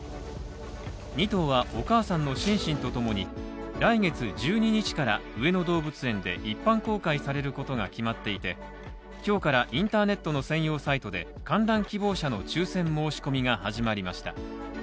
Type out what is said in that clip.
２頭はお母さんのシンシンとともに、来月１２日から上野動物園で一般公開されることが決まっていて、今日からインターネットの専用サイトで観覧希望者の抽選申し込みが始まりました。